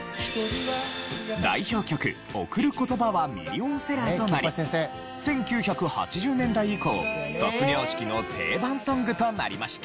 代表曲『贈る言葉』はミリオンセラーとなり１９８０年代以降卒業式の定番ソングとなりました。